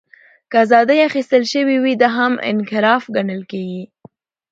که ازادۍ اخیستل شوې وې، دا هم انحراف ګڼل کېده.